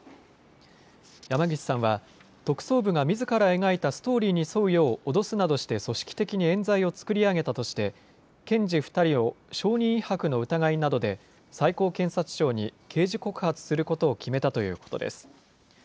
山岸さんは特捜部がみずから描いたストーリーに沿うよう脅すなどして組織的にえん罪を作り上げたとして、検事２人を証人威迫などの疑いで最高検察庁に刑事告発することを決めたということです。